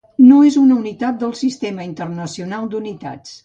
No és una unitat del Sistema Internacional d'Unitats.